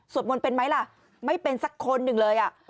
มนต์เป็นไหมล่ะไม่เป็นสักคนหนึ่งเลยอ่ะ